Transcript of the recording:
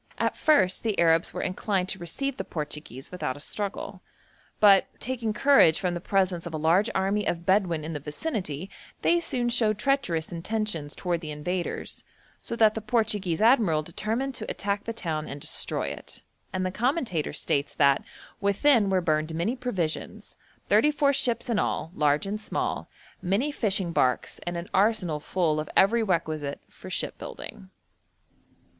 At first the Arabs were inclined to receive the Portuguese without a struggle; but, taking courage from the presence of a large army of Bedouin in the vicinity, they soon showed treacherous intentions towards the invaders, so that the Portuguese admiral determined to attack the town and destroy it, and the commentator states that 'within were burned many provisions, thirty four ships in all, large and small, many fishing barks, and an arsenal full of every requisite for ship building.'